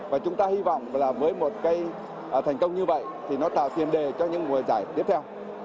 và chúng ta hy vọng là với một cái thành công như vậy thì nó tạo tiền đề cho những mùa giải tiếp theo